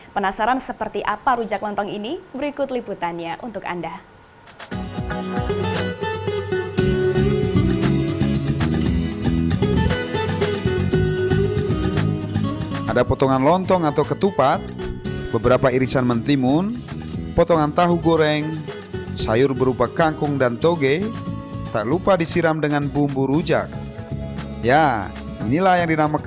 penasaran seperti apa rujak lontong ini berikut liputannya untuk anda